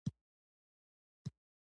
ما په تعجب وویل: ښه!